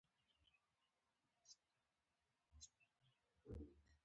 د افغانستان ښکلی طبیعت له انګورو جوړ شوی دی.